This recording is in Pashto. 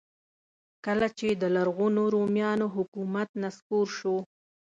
کله چې د لرغونو رومیانو حکومت نسکور شو.